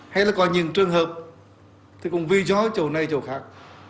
hay là có những trường hợp thì cũng vì gió chỗ này chỗ khác